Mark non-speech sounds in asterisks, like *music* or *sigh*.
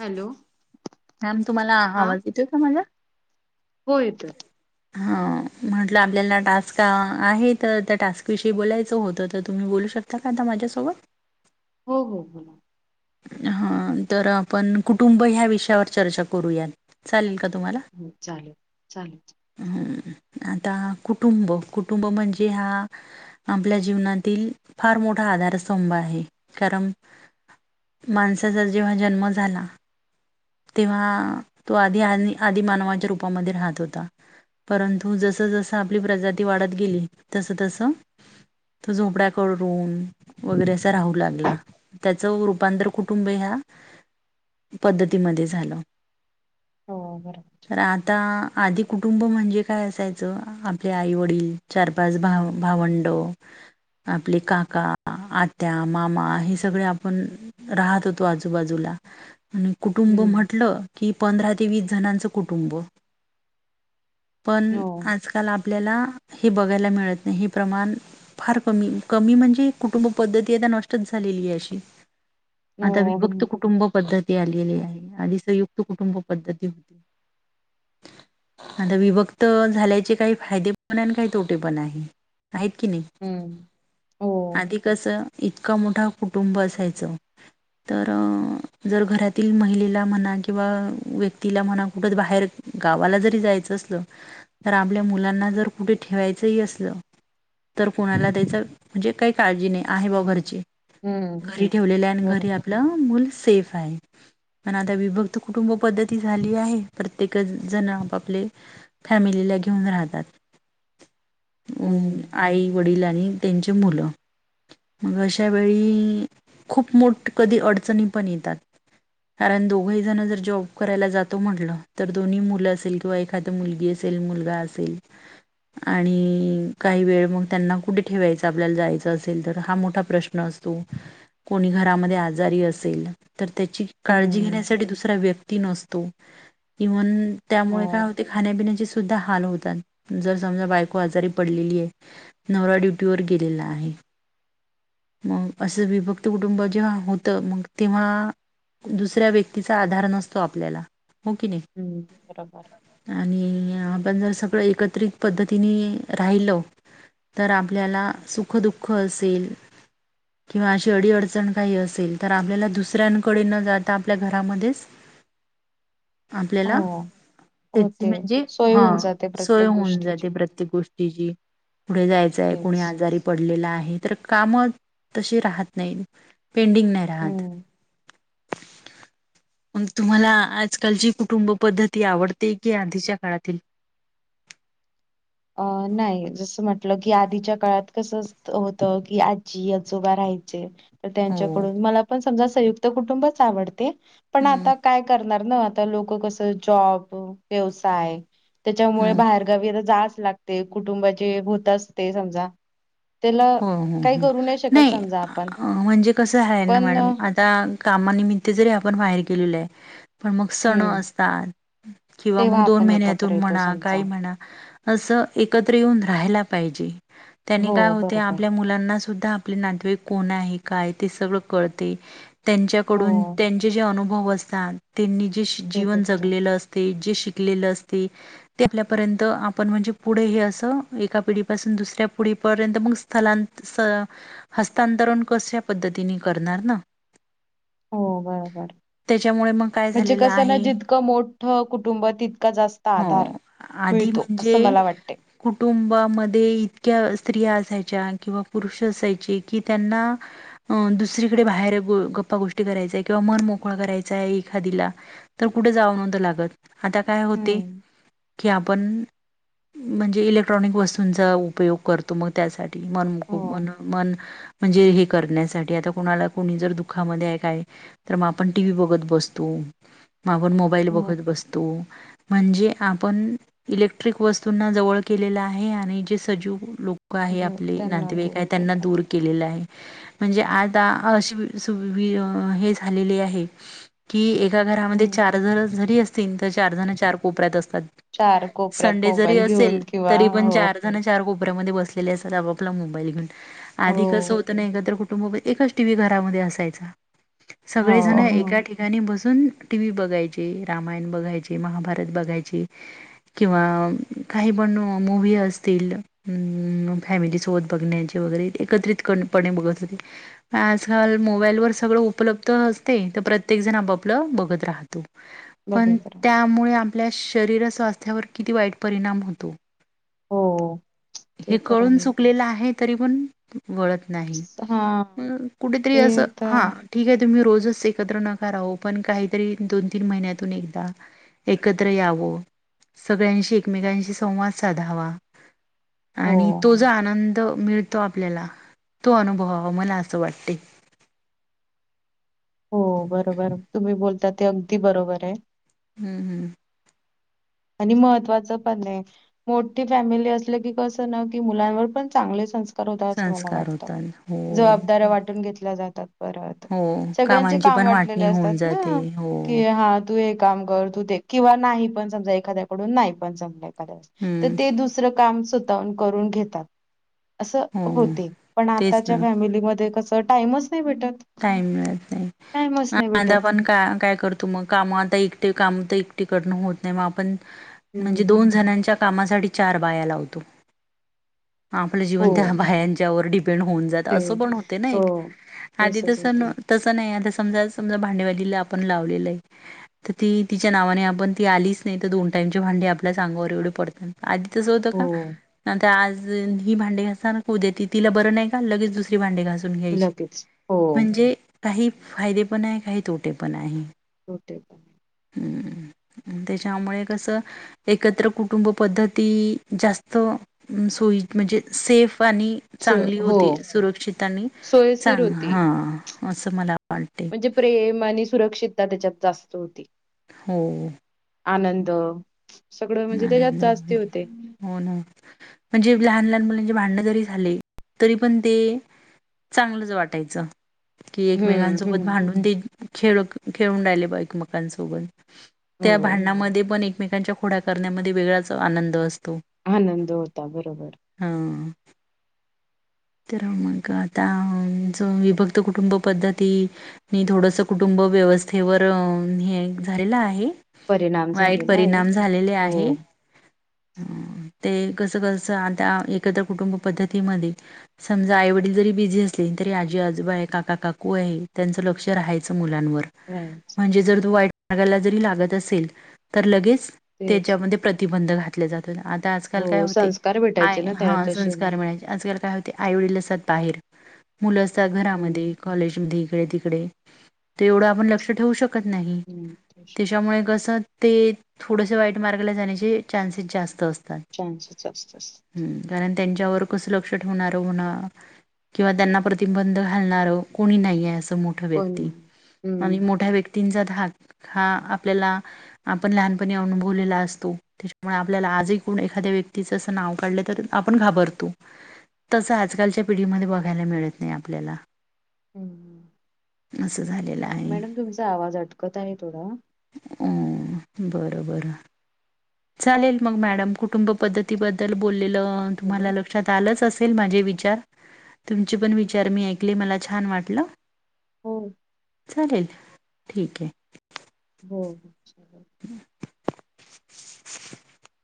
Hello ma'am तुम्हाला हा आवाज येतोय, का माझा? हो, येतोय. हा. म्हटलं आपल्याला टास्क आहे, तर त्या टास्क विषयी बोलायचं होतं तर तुम्ही बोलू शकता का? माझ्या सोबत. हो हो, बोला. हा तर आपण कुटुंब ह्या विषयावर चर्चा करूया चालेल, का? तुम्हांला हो चालेल चालेल. हम्म.... आता कुटुंब. कुटुंब म्हणजे हा आपल्या जीवनातील फार मोठा आधारस्तंभ आहे कारण माणसाचा जेव्हा जन्म झाला. तेव्हा तो आधी आधीमानवाच्या रूपामध्ये राहत होता. परंतु जस-जस आपली प्रजाती वाढत गेली तस-तस तो झोपड्या करून वगैरे अस राहू लागला त्याच रूपांतर कुटुंब ह्या पद्धतीमध्ये झालं. हो बरोबर. तर आता आधी कुटुंब म्हणजे काय असायचं, आपले आई-वडील चार, पाच भाव-भावंड आपले काका, आत्या, मामा हे सगळे आपण राहत होतो आजूबाजूला आणि कुटुंब हम्म म्हटलं की पंधरा ते वीस जणांचं कुटुंब. पण हो आजकाल आपल्याला हे बघायला मिळत नाही हे प्रमाण फार कमी-कमी म्हणजे कुटुंब पद्धती आता नष्टच झालेली आहे अशी. आता हो हम्म विभक्त कुटुंब पद्धती आली आहे. आधी संयुक्त कुटुंब पद्धती होती. आता विभक्त झाल्याचे काही फायदे पण आहे. आणि काही तोटे पण आहे. आहेत कि नाही. हम्म, हो आधी कसं इतकं मोठ कुटुंब असायचं. *inaudible* तर जर घरातील महिलेला म्हणा किंवा व्यक्तीला म्हणा कुठच बाहेर गावाला जरी जायचं असल. तर आपल्या मुलांना जर कुठे ठेवायचंही असलं तर कुणाला त्याच म्हणजे काही काळजी नाही आहे बाबा घरचे हम्म घरी ठेवलेलं आणि घरी बरोबर आपलं मूल सेफ आहे. पण आता विभक्त कुटुंब पद्धती झाली आहे. प्रत्येक जण आपआपले फॅमिलीला घेऊन घेऊन राहतात. हम्म आई-वडिल आणि त्यांची मुलं मग अशावेेळी खुप मोठ कधी अडचणी पण येतात. कारण दोघही जण जर जॉब करायला जातो म्हटलं तर दोन्ही मुलं असेल किंवा एखादी मुलगी असेल मुलगा असेल आणि काही वेळ मग त्यांना कुठे ठेवायच आपल्याला जायचं असेल तर हा मोठा प्रश्न असतो‌. कोणी घरामध्ये आजारी असेल तर त्याची काळजी हम्म घेण्यासाठी दुसरा व्य कृति नसतो, इव्हन त्यामुळे काय हो होते खाण्यापिण्याचे सु सुद्धा हाल होतात जर समजा बायको आजारी पडलेली आहे नवरा ड्युटी वर गेलेला आहे मग असे विभक्त कुटुंब जे आहोत मग तेव्हा दुसऱ्या व्यक्तीचा आधार नसतो आपल्याला हो कि हम्म बरोबर नाही आणि आपण जर सगळं एकत्रित पद्धतीने राहिलो तर आपल्याला सुख-दुःख असेल किंवा अशी अडी-अडचण काही असेल तर आपल्याला दुसऱ्यांकडे न जाता आपल्या घरामध्येच आपल्याला हो त्याची होते म्हणजे सोय हा होऊन जाते सोय प्रत्येक होऊन गोष्टीची जाते प्रत्येक गोष्टी ची पुढे जायचंय, कोणी तेच आजारी पडलेला आहे हे तर काम तशी राहत नाही, पेंडींग नाही राहत *inaudible* हम्म मग तुम्हाला आजकालची कुटुंब पद्धती आवडते की आधीच्या काळातील? *inaudible* अ नाही जसं म्हटलं की आधीच्या काळात कसं होत की आजी-आजोबा राहा यचे. हो त्यांच्याकडून मला पण समजा संयुक्त कुटुंबच आवडते पण हम्म आता काय करणार आता लोकं कसं जॉब व्यवयाय त्याच्यामुळे हम्म बाहेरगावी अस जास्त लागते कुटुंबाचे होत असते समजा त्याला हो, हो, काही हो. करू शकत नाही समजा आपण म्हणजे कस आहे ना पण अ, मॅडम आता कामानिमित्त जरी आपण बाहेर गेलेलं आहे पण मग सण हम्म असतात किंवा तेव्हा मग दोन आपण महिन्यातून एकत्र येतो म्हणा समजा काही म्हणा असं एकत्र येऊन राहायला पाहिजे त्यांनी हो काय होत ते बरोबर आपल्या मुलांना सुद्धा आपले नातेवाईक कोण आहे, काय ते सगळं कळते हो त्यांच्याकडून त्यांचे जे अनुभव असतात, त्यांनी जे ते जीवन भेटतात जगलेलं असते जे पिकलेले असते ते आपल्यापर्यंत आपण म्हणजे पुढे हे असं एका पिढीपासून दुसऱ्या पि ढीपर्यंत मग स्थलांतर, हस्तांतरण कशा पद्धतीने करणार ना? हो बरोबर. त्याच्यामुळे मग काय म्हणजे झालेलं कसं ना आहे जितकं मोठ कुटुंब तितकं जास्त हो आधार. आधी मिळतो असं म्हणजे मला वाटते. कुटुंबामध्ये इतक्या स्त्रिया असायच्या किंवा पुरुष असायचे कि त्यांना अ दुसरीकडे बाहेर गप्पागोष्टी कराय चय किंवा मन मोकळ करायचा एखादीला तर कुठे जाव नव्हत लागत. आता काय होते हम्म. की आपण म्हणजे इलेक्ट्रॉनिक वस्तूंचा उपयोग करतो मग त्यासाठी मन को हो. मनो मन म्हणजे हे करण्यासाठी आता कोणाला कोणी जर दुःखामध्ये आहे काय तर मग आपण टी व्ही बघत बसतो. मग आपण मोबाईल हो, बघत बसतो. म्हणजे आपण इलेक्ट्रिक वस्तुनां जवळ केलेलं आहे आणि जे सजीव लोक लोक आहे हो आपले, त्यांना दूर नातेवाईक आहे त्यांना केलं. दूर केलेला आहे. म्हणजे आता अशी सुवि हे झालेली आहे की एका घरामध्ये हं. चार जण जरी असतील, तर चार जण चार कोपऱ्यात असतील. चार तात. कोपऱ्यात संडे जरी मोबाईल घेऊन असेल किंवा तरी पण हो, चार जण चार कोप पऱ्यामध्ये बसलेले असतात आपापला मोबाईल घेउन, हो, आधी कसं होतंना एकत्र कुटु टुंब म एकच टी व्ही घरामधे असायचा हो, सगळेजण हो. एका ठिकाणी बसु सून टीवी बगायचे, रामायण बघायचे, महाभारत बघायचे किंवा आं काही पण म मूवी असतील असतील फॅमिली सोबत बघण्याचे वगैरे एकत्रितकणपणे बघत होती आंजकाल मोबाईल वर सगळं उपलब्ध असते तर प्रत्येक जण आपापल बघत राहतो. पण बघत राहत. त्यामुळे आपल्या शरीर स्वास्थ्यावर किती वाईट परिणाम होतो. हो. ते हे तर कळून आहे. चुकलेलं आहे तरी पण वळत नाही हां कुठेतरी ते अस तर हां ठीकाय तुम्ही रोज जसं एकत्र नका राहुपण काहीतरी दोन, तीन महिन्यातून एकदा एकत्र यावं, सगळ्यांशी, एकमेकांशी संवाद साधावा. हो, आणि तो जो आनं द मिळतो आपल्याला तो अनुभवावा मला असं वाटते. *inaudible* हो बरोबर तुम्ही बोलताते अगदी बरोबराय. हम्म हम्म. आणि महत्त्वाचं पणं आहे मोठी फॅमिली असलंकी कसंना की मुलांवर पण चांगले संस् स्कार होता असं मला संस्कार वाटतं होतात हो जबाबदाऱ्या वाटून घेतल्या जात बर वाटत हो सगळ्यांचे कामांची काम पण वाटलेले वाटणी होऊन जाते असतातना हो की हां तू हे काम कर, तू ते किंवा नाही पण समजा एखाद्याकडून नाय पण जमलय करायच तर हम्म ते दुसरं काम स्व ताहून करून घेतात असं हो होतंय. पण तेच आताच्या फमिलीमध्ये कस टाइमच नाही भेटत. टाईम मिळत नाई टाइमच पण नाही आता भेटत. आपण कां काय करतो मग काम आता एकटी काम ते एकटीकडन होत नाही म आपण म्हणजे हम्म दोन जनांच्या कामासाठी चार बाया लावतो. आंपलं हो जीवन त्या बायांच्यावर डि पेन्ड होऊन जात ते असंपण होतेना हो. एक आदी तसच तस होते न तसन नाई आता समजा समजा भांडेवालीला आपण लावलेलाय तर ती तिच्या नावाने आपण ती आलीच नाही तर दोन टाईमची भांडी आपल्याच अंगावर एवढी पडतात आधी तसं होतं हो का? आजं ही भांडे घासणार, अन् उद्या ती तिला बरं नाही का लगेच दुसरी भांडे घासून घ्यायची. लगेच हो म्हणजे काही फायदे पण आहे, काही तोटे पण आहे. हो तेेपण आहे. *inaudible* तेच्यामुळे कसं एकत्र कुटुंब पद्धती जास्त अं सो व्यीत म्हंजे सेफ आणि सो चांगली हो होती सुरक्षित आणि सोयशीर चांगली होती. हं असं मला म्हणजे प्रेम आणि सुरक्षितता त्याच्यात जास्त होती. हो. आनंद, सगळं म्हणजे त्याच्यात लहानांना जास्ती होते. होना म्हणजे लहान-लहान मुलान ची भांड्ंण जरी झाली तरी पण ते चांगलच वाटायच. कि हम्म, एकमेकांसोबत हम्म. भांडून दे, खेळूक खेळून राहिले पायजे एकमेकांसोबत. हो, त्या भांडणामध्ये पण एकमेकांच्या खोड्या करण्यामध्ये वेगळाच आनंद असतो आनंद होता बरोबर. हा तर मग आतां ज विभक्त कुटुंब पद्धती मी थोडंसं कुटुं ब व्यवस्थेवरं हे एक झालेला आहे. परिणाम वाईट झालेला आहे. परिणाम झालेले हो, आहे. ते कसं-कसं आंता एकत्र कुटुंब पद्धतीमध्ये समजा आई-वडील जरी बिझी असले तरी आजी-आजोबा, काका-काकू आहे त्यांचं लक्ष राहायचं मुल पल्यांनवर कायच म्हणजे जर तू वाईट नादाला जरी लागत असेल तर लगेच *inaudible* तेच. त्याच्यामंदे प्रतिबंध घातले जात. आता आजकाल काय हो, होते संस्कार आय भेटायचे ना त्याला हा तसे मग. संस्कार मिळायचे आजकाल ते आईवडील असात बाहेर मुलं असतात हम्म, घरामध्ये कॉलेजमध्ये ईकडे तिकडे तर एवढं आपण लक्ष ठेवू शकत नाही हम्म. तसे तच्यामुळे कसं ते थोडसं वाईट मार्गाला जाण्याची चान्सेस जास्त असते. चान्सेस जास्त असतात. त्यांच्यावर कसं लक्ष होणार होना किंवा त्यांना प्रतिबंध घालणार कोणी नाहीेये अस ठ मोठया पण व्यक्ती हम्म, आणि मोठ्या व्यक्ति तीनचा धाक हा आपल्याला आपण लहानपणी अनुभवलेला असतो त्याच्यामुळे आपल्याला *unintelligible* ज एखाद्या व्यक्तीचं असं नाव काढलं तर आपण घाबरतो. तसं आजकालच्या पिढीमध्ये बघायला मिळत नाही आपल्याला हम्म हम्म असं झालेलं आहे मॅडम तुमचा आवाज अटकत आहे थोडा अ बरं बरं चालेल मग मॅडम कुटुंब पद्धतीबद्दल बोललेलं हॅलो, तुम्हाला लक्षात आलंच असेल माझे विचार तुमचे पण विचार मी ऐकले मला छान वाटलं. हो. चालेल ठीकये. हो हो ह